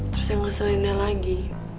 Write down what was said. terus yang ngeselinnya lagi